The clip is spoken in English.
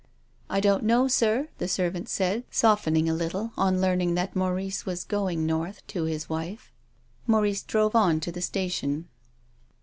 " I don't know, sir," the servant said, softening a little on learning that Maurice was going north to his wife. Maurice drove on to the station.